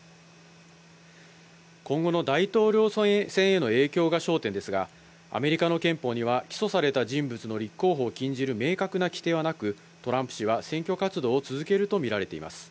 今後の大統領選への影響が焦点ですが、アメリカの憲法には起訴された人物の立候補を禁じる明確な規定はなく、トランプ氏は選挙活動を続けるとみられています。